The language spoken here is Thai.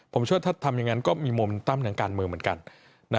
ผมเชื่อว่าถ้าทำอย่างนั้นก็มีมุมตั้มทางการเมืองเหมือนกัน